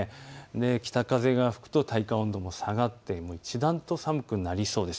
北風が吹くと体感温度も下がって一段と寒くなりそうです。